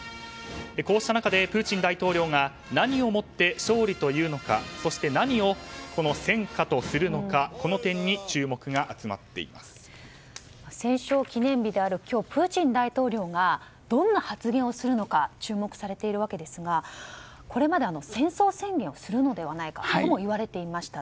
こうした中でプーチン大統領が何をもって勝利というのかそして何を戦果とするのか戦勝記念日である今日プーチン大統領がどんな発言をするのか注目されていますがこれまで戦争宣言をするのではないかとも言われていました。